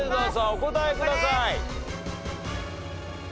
お答えください。